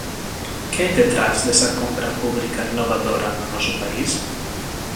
¿Que hai detrás desa compra pública innovadora no noso país?